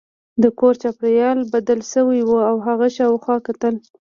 د کور چاپیریال بدل شوی و او هغه شاوخوا کتل